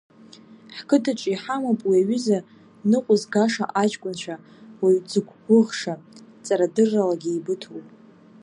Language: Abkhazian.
Ҳқыҭаҿы иҳамоуп уи аҩыза ныҟәызгаша аҷкәынцәа, уаҩ дзықәгәыӷша, ҵарадырралагьы иеибыҭоу.